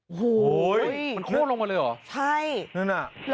โอ้โฮมันโค้งลงไปเลยเหรอนั่นน่ะใช่